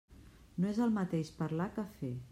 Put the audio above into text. No és el mateix parlar que fer.